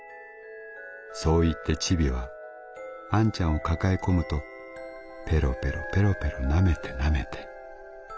そう言ってチビはあんちゃんを抱えこむとペロペロペロペロ舐めてなめて。